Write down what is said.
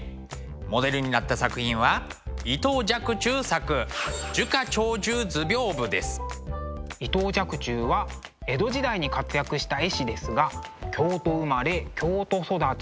モデルになった作品は伊藤若冲作伊藤若冲は江戸時代に活躍した絵師ですが京都生まれ京都育ち